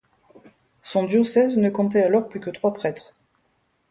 Son diocèse ne comptait alors plus que trois prêtres.